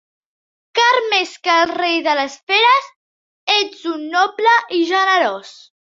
Car més que el rei de les feres, ets tu noble i generós.